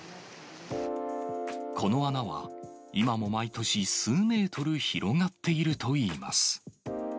この穴は、今も毎年、数メートル広がっているといいます。